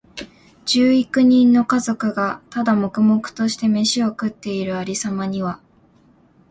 十幾人の家族が、ただ黙々としてめしを食っている有様には、